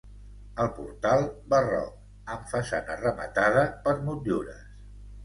El portal, barroc, amb façana rematada per motllures.